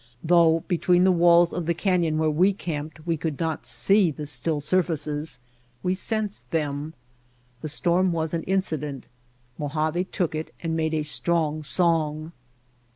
Though between the walls of the canyon where we camped we could not see the still surfaces, we sensed them. The storm was an incident. Mojave took it and made a strong song.